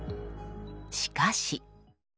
しかし。